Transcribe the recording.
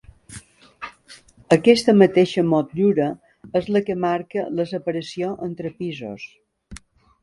Aquesta mateixa motllura és la que marca la separació entre pisos.